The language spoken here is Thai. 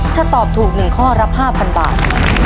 ถ้าตอบถูก๑ข้อรับ๕๐๐บาท